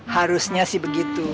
harusnya sih begitu